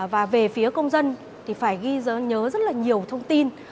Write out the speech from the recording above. và về phía công dân thì phải ghi nhớ rất là nhiều thông tin